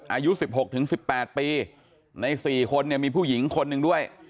อายุสิบหกถึงสิบแปดปีในสี่คนเนี่ยมีผู้หญิงคนหนึ่งด้วย